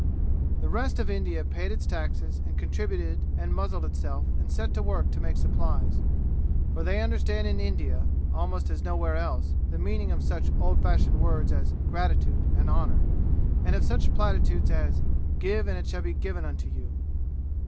The rest of India paid its taxes and contributed and muzzled itself and set to work to make supplies. For they understand in India, almost as nowhere else, the meaning of such old fashioned words as gratitude and honor; and of such platitudes as, "Give and it shall be given unto you."